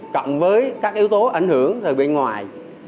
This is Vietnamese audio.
cộng với các yếu tố ảnh hưởng từ bên ngoài